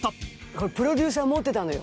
これプロデューサー持ってたのよ。